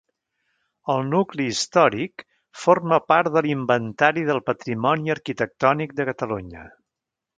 El nucli històric forma part de l'Inventari del Patrimoni Arquitectònic de Catalunya.